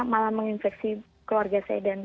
malah menginfeksi keluarga saya dan